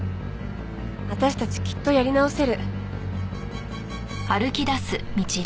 私たちきっとやり直せる。